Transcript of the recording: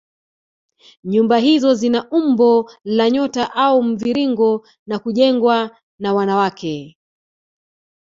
Nyumba hizo zina umbo la nyota au mviringo na hujengwa na wanawake